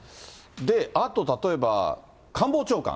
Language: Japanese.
あと、例えば官房長官。